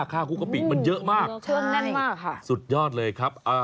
ข้าวคลุกกะปิมันเยอะมากเชื่อมแน่นมากค่ะสุดยอดเลยครับ